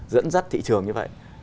dẫn dắt thị trường như vậy